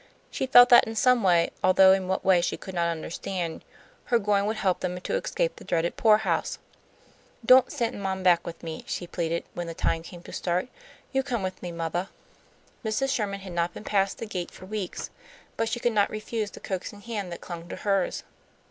She felt that in some way, although in what way she could not understand, her going would help them to escape the dreaded poorhouse. "Don't send Mom Beck with me," she pleaded, when the time came to start. "You come with me, mothah." Mrs. Sherman had not been past the gate for weeks, but she could not refuse the coaxing hands that clung to hers.